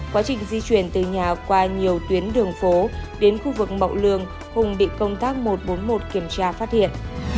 quá trình di chuyển từ nhà qua nhiều tuyến đường phố đến khu vực mậu lường hùng bị công tác một trăm bốn mươi một kiểm tra phát hiện